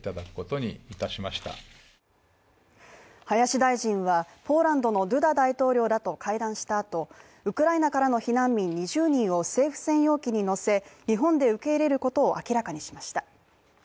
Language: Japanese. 林大臣はポーランドのドゥダ大統領らと会談したあとウクライナからの避難民２０人を政府専用機に乗せ日本で受け入れることを明らかにしました。